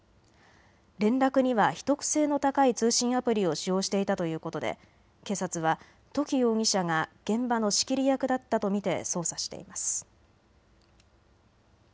連絡には秘匿性の高い通信アプリを使用していたということで警察は土岐容疑者が現場の仕切り役だったと見て捜査しています。